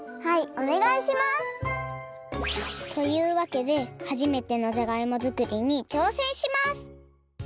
はいおねがいします！というわけではじめてのじゃがいも作りにちょうせんします！